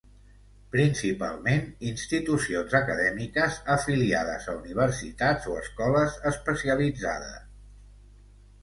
Principalment institucions acadèmiques afiliades a universitats o escoles especialitzades.